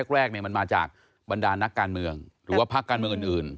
แรกมันมาจากบรรดานักการเมืองหรือว่าพักการเมืองอื่น